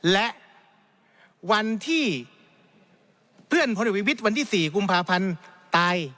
และวันที่เพื่อนพลเอกวิวิทย์วันที่๔กุมภาพันธ์ตาย